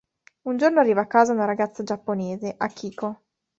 Un giorno arriva a casa una ragazza giapponese, Akiko.